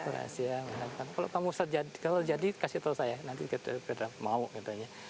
kroasia kalau kamu mau jadi kasih tahu saya nanti kita mau katanya